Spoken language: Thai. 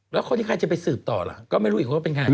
แล้วคนที่ใครจะไปสืบต่อล่ะก็ไม่รู้อีกว่าเป็นใคร